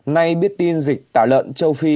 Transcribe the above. nay biết tin dịch tả lợn châu phi